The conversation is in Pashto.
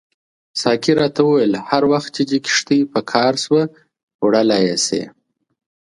ساقي راته وویل هر وخت چې دې کښتۍ په کار شوه وړلای یې شې.